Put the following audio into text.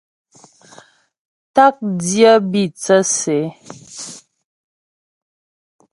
Ták dyə́ bî thə́sə ə.